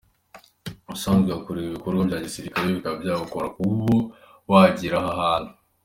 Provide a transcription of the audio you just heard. Ubusanzwe hakorerwa ibikorwa bya gisirikare bikaba byakugora kuba wagera aha hantu.